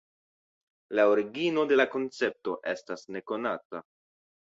La origino de la koncepto estas nekonata.